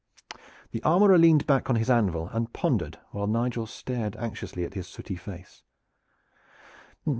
The armorer leaned back on his anvil and pondered while Nigel stared anxiously at his sooty face.